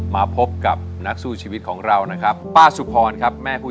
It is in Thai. มาพบกับนักสู้ชีวิตของเรานะครับ